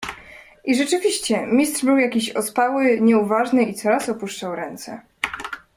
"I rzeczywiście, Mistrz był jakiś ospały, nieuważny i coraz opuszczał ręce."